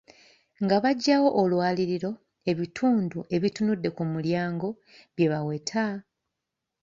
Nga baggyawo olwaliiro, ebitundu ebitunudde ku mulyango bye baweta.